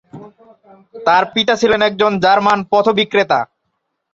তার পিতা ছিলেন একজন জার্মান পথ বিক্রেতা।